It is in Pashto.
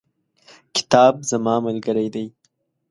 کتاب زما ملګری دی.